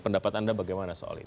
pendapat anda bagaimana soal ini